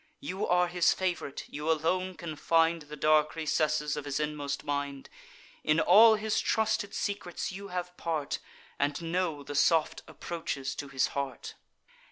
You are his fav'rite; you alone can find The dark recesses of his inmost mind: In all his trusted secrets you have part, And know the soft approaches to his heart.